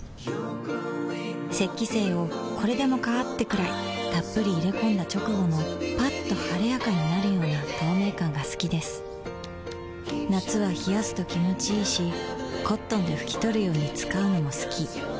雪肌精をこれでもかーってくらいっぷり入れ込んだ直後のッと晴れやかになるような透明感が好きです夏は冷やすと気持ちいいし灰奪肇で拭き取るように使うのも好き